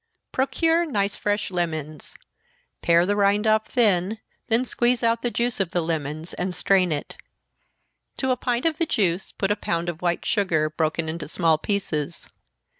_ Procure nice fresh lemons pare the rind off thin, then squeeze out the juice of the lemons, and strain it. To a pint of the juice put a pound of white sugar, broken into small pieces.